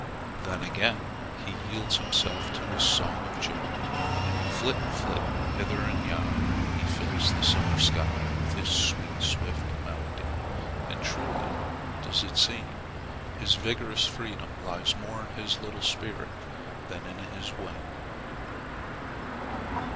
Then again he yields himself to his song of joy. Flit, flit hither and yon, he fills the summer sky with his swift, sweet melody. And truly does it seem his vigorous freedom lies more in his little spirit than in his wing.